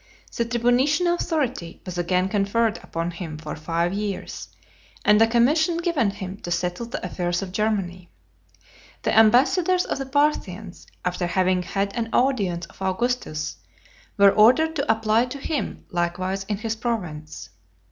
XVI. The tribunitian authority was again conferred upon him for five years , and a commission given him to settle the affairs of Germany. The ambassadors of the Parthians, after having had an audience of Augustus, were ordered to apply to him likewise in his province.